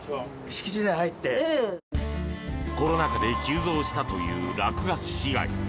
コロナ禍で急増したという落書き被害。